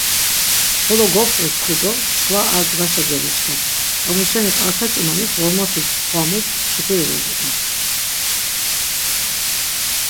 Xolo gop̆ǩutsxi do çkva ar dğaşa gevoç̆k̆ap, amuşeni k̆arta ç̌umanis Ğormotis pxvamup, şukuri voğodap.